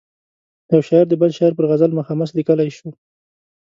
یو شاعر د بل شاعر پر غزل مخمس لیکلای شو.